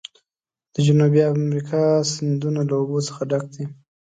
د جنوبي امریکا سیندونه له اوبو څخه ډک دي.